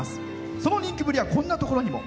その人気ぶりはこんなところにも。